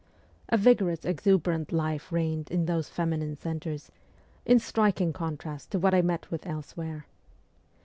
A vigorous, exuberant life reigned in those feminine centres, in striking contrast to what I met with elsewhere.